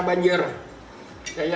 sampai jumpa di video selanjutnya